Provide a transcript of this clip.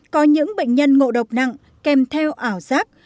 có những bệnh nhân ngộ độc nặng kèm theo ảo giác